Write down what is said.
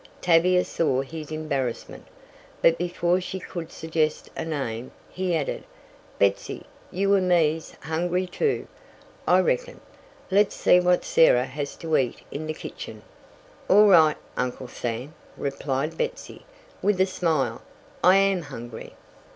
Tavia saw his embarrassment, but before she could suggest a name, he added, "Betsy, you and me's hungry too, I reckon. Let's see what Sarah has to eat in the kitchen." "All right, Uncle Sam," replied "Betsy," with a smile, "I am hungry."